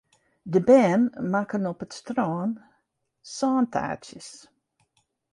De bern makken op it strân sântaartsjes.